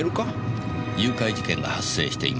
「誘拐事件が発生しています」